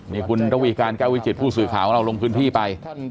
นี่คุณราวีการ๙๗ผู้สื่อข่าวเอาลงพื้นที่ไป